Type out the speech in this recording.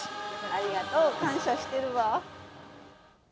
ありがとう、感謝してるわ。